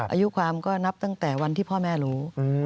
อายุความก็นับตั้งแต่วันที่พ่อแม่รู้